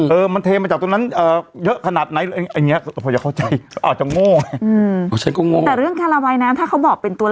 เออมันเทมาจากตรงนั้นเยอะขนาดไหนอย่างนี้ผมจะเข้าใจอาจจะโง่